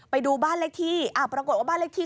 ไปดูบ้านเลขที่ปรากฏว่าบ้านเลขที่